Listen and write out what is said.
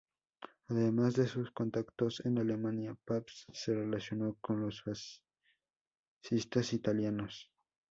Además de sus contactos en Alemania, Pabst se relacionó con los fascistas italianos.